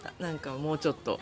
もうちょっと。